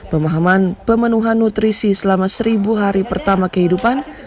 pemahaman pemenuhan nutrisi selama seribu hari pertama kehidupan